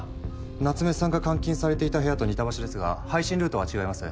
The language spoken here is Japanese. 夏目さんが監禁されていた部屋と似た場所ですが配信ルートは違います。